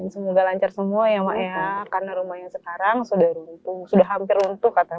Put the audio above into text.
semoga lancar semua ya mak ya karena rumahnya sekarang sudah runtuh sudah hampir runtuh kata